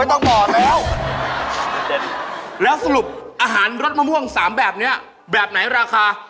ต้องบอกแล้วแล้วสรุปอาหารรสมะม่วง๓แบบนี้แบบไหนราคา